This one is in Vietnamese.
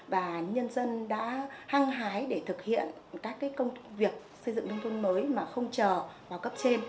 và nhân dân đã hăng hái để thực hiện các công việc xây dựng nông thôn mới mà không chờ vào cấp trên